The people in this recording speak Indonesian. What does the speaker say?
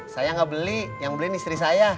saya gak beli yang beli nih istri saya